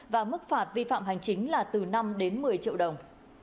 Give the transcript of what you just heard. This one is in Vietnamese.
và mức phạt vi phạm hành chính là từ năm đến một mươi triệu đồng